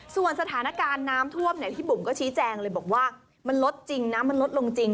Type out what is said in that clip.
ส่วนสถานการณ์น้ำท่วมเนี่ยพี่บุ๋มก็ชี้แจงเลยบอกว่ามันลดจริงน้ำมันลดลงจริง